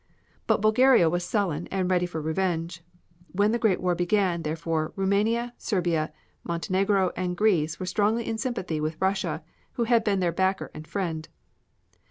But Bulgaria was sullen and ready for revenge. When the Great War began, therefore, Roumania, Serbia, Montenegro and Greece were strongly in sympathy with Russia, who had been their backer and friend.